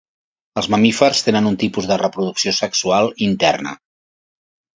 Els mamífers tenen un tipus de reproducció sexual interna.